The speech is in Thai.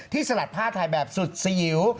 ที่สลัดผ้าถ่ายแบบสุดสีหิว